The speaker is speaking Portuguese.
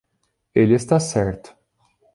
Ele está certo